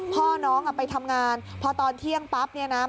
พ่อน้องไปทำงานพอตอนเที่ยงปั๊บเนี่ยนะ